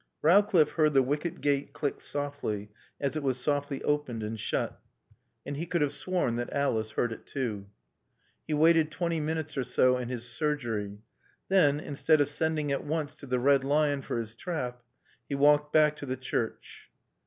Rowcliffe heard the wicket gate click softly as it was softly opened and shut. And he could have sworn that Alice heard it too. He waited twenty minutes or so in his surgery. Then, instead of sending at once to the Red Lion for his trap, he walked back to the church.